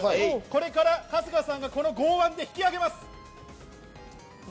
これから春日さんがこの剛腕で引き揚げます。